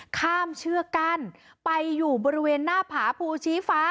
ข้ามเชือกกั้นไปอยู่บริเวณหน้าผาภูชีฟ้า